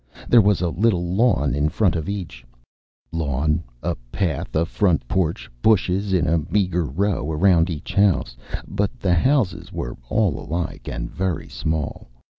There was a little lawn in front of each. Lawn, a path, a front porch, bushes in a meager row around each house. But the houses were all alike and very small.